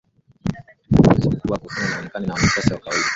Ana uwezo mkubwa wa kufanya aonekane ni mwanasiasa wa kawaida